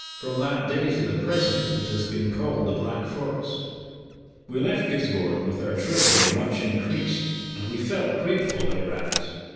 From that day to the present it has been called the Black Forest. We left Gisborne, with our treasury much increased, and we felt grateful thereat.